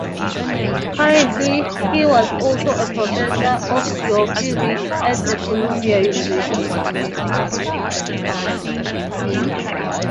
Concurrently he was also a Professor of Geophysics at Columbia University.